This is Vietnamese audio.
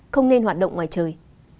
không nên hoạt động ngoài trời